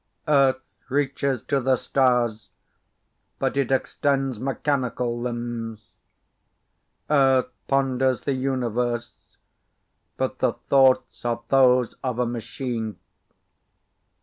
Earth reaches to the stars, but it extends mechanical limbs. Earth ponders the universe, but the thoughts are those of a machine.